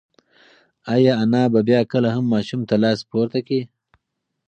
ایا انا به بیا کله هم ماشوم ته لاس پورته کړي؟